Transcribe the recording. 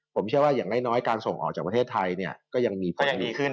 ผมเชื่อว่าอย่างน้อยการส่งออกจากประเทศไทยก็ยังมีพรุ่งนี้